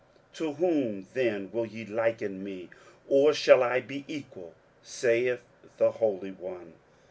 23:040:025 To whom then will ye liken me, or shall I be equal? saith the Holy One.